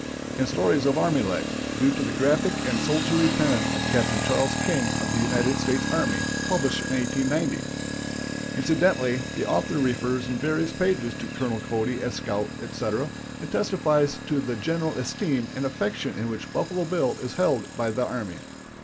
and Stories of Army Life," due to the graphic and soldierly pen of Capt. Charles King of the United States Army, published in 1890. Incidentally the author refers in various pages to Colonel Cody as scout, etc., and testifies to the general esteem and affection in which Buffalo Bill is held by the army.